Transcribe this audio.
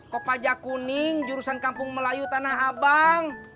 kopaja kuning jurusan kampung melayu tanah abang